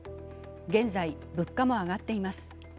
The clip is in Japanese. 現在、物価も上がっています。